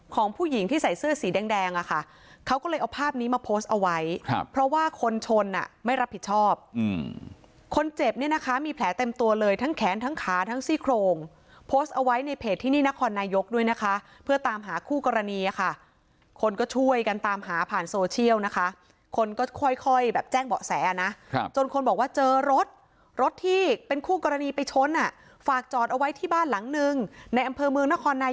ของผู้หญิงที่ใส่เสื้อสีแดงอ่ะค่ะเขาก็เลยเอาภาพนี้มาโพสต์เอาไว้เพราะว่าคนชนอ่ะไม่รับผิดชอบคนเจ็บเนี่ยนะคะมีแผลเต็มตัวเลยทั้งแขนทั้งขาทั้งซี่โครงโพสต์เอาไว้ในเพจที่นี่นครนายกด้วยนะคะเพื่อตามหาคู่กรณีอ่ะค่ะคนก็ช่วยกันตามหาผ่านโซเชียลนะคะคนก็ค่อยแบบแจ้งเบาะแสนะจนคนบอกว่าเจอร